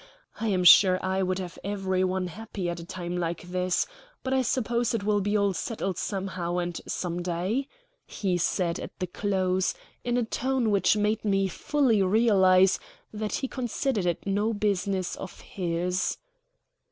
I am sure I would have every one happy at a time like this. But I suppose it will be all settled somehow and some day," he said at the close, in a tone which made me fully realize that he considered it no business of his.